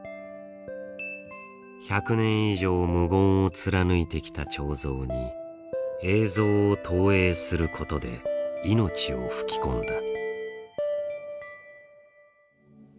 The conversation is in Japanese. １００年以上無言を貫いてきた彫像に映像を投影することで命を吹き込んだ。